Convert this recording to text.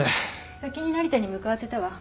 先に成田に向かわせたわ。